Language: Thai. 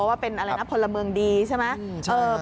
ว่าเป็นพลเมืองดีใช่ไหม